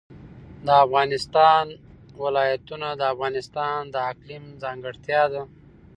د افغانستان ولايتونه د افغانستان د اقلیم ځانګړتیا ده.